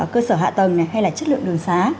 cơ sở hạ tầng này hay là chất lượng đường xá